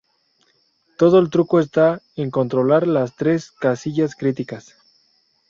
Todo el truco está en controlar las tres casillas críticas.